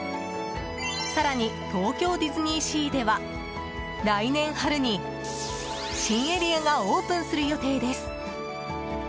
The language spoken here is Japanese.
更に東京ディズニーシーでは来年春に新エリアがオープンする予定です。